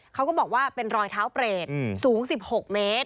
เขาก็บอกว่าเป็นรอยเท้าเปรตสูง๑๖เมตร